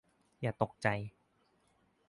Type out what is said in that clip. อย่าตกใจ